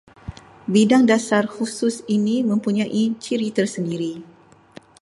Bidang dasar khusus ini mempunyai ciri tersendiri